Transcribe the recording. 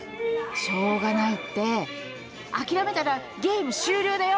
しょうがないって諦めたらゲーム終了だよ！